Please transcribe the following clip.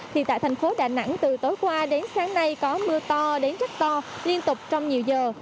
thì tại thành phố đà nẵng từ tối qua đến sáng nay có mưa to đến rất to liên tục trong nhiều giờ